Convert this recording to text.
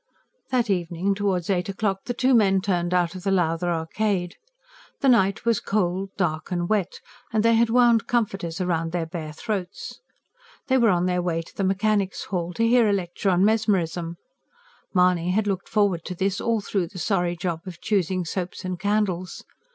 That evening towards eight o'clock the two men turned out of the Lowther Arcade. The night was cold, dark and wet; and they had wound comforters round their bare throats. They were on their way to the Mechanics' Hall, to hear a lecture on Mesmerism. Mahony had looked forward to this all through the sorry job of choosing soaps and candles.